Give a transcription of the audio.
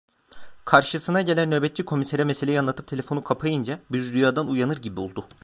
Karşısına gelen nöbetçi komisere meseleyi anlatıp telefonu kapayınca bir rüyadan uyanır gibi oldu.